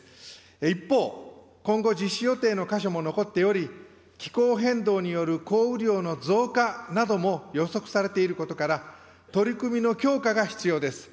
一方、今後実施予定の箇所も残っており、気候変動による、降雨量の増加なども予測されていることから、取り組みの強化が必要です。